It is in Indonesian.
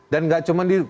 dan gak cuma di